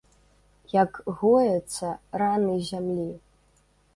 Як гояцца раны зямлі!